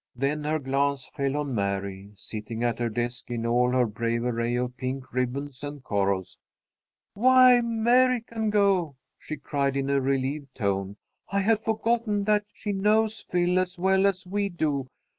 Then her glance fell on Mary, sitting at her desk in all her brave array of pink ribbons and corals. "Why, Mary can go!" she cried, in a relieved tone. "I had forgotten that she knows Phil as well as we do.